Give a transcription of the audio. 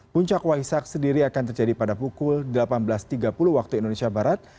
puncak waisak sendiri akan terjadi pada pukul delapan belas tiga puluh waktu indonesia barat